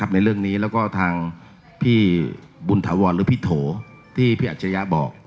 ในเรื่องนี้แล้วก็ทางพี่บุญถาวรหรือพี่โถที่พี่อัจฉริยะบอก